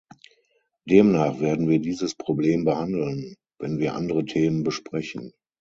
Demnach werden wir dieses Problem behandeln, wenn wir andere Themen besprechen.